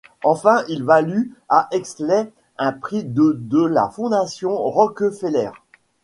Enfin, il valut à Exley un prix de de la Fondation Rockefeller.